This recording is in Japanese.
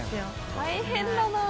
大変だなあ。